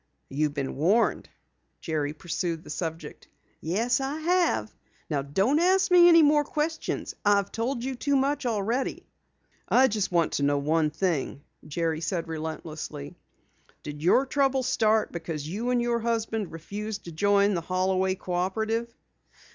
"You've been warned?" Jerry pursued the subject. "Yes, I have. Now don't ask me any more questions. I've told you too much already." "I just want to know one thing," Jerry said relentlessly. "Did your trouble start because you and your husband refused to join the Holloway Cooperative?"